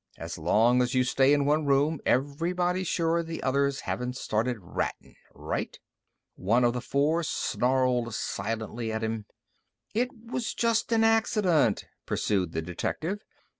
"As long as you stay in one room everybody's sure the others haven't started rattin'. Right?" One of the four snarled silently at him. "It was just a accident," pursued the detective.